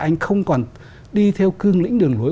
anh không còn đi theo cương lĩnh đường lối